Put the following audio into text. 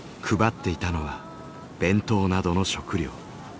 配っていたのは弁当などの食料。